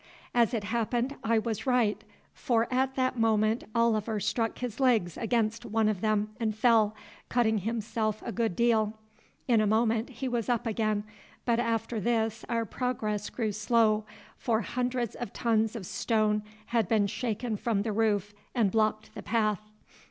As it happened I was right, for at that moment Oliver struck his legs against one of them and fell, cutting himself a good deal. In a moment he was up again, but after this our progress grew slow, for hundreds of tons of stone had been shaken from the roof and blocked the path.